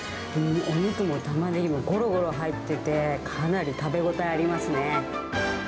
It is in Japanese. お肉もたまねぎもごろごろ入ってて、かなり食べ応えありますね。